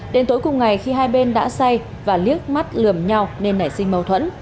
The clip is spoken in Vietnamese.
đến tối cùng ngày khi hai bên đã say và liếc mắt lườm nhau nên nảy sinh mâu thuẫn